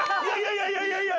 いやいやいやいや。